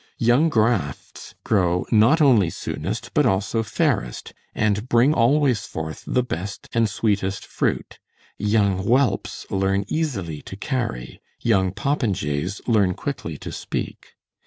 "Young grafts grow not only soonest, but also fairest, and bring always forth the best and sweetest fruit; young whelps learn easily to carry; young popin jays learn quickly to speak."